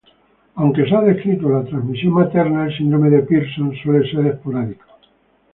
Aunque se ha descrito la transmisión materna, el síndrome de Pearson suele ser esporádico.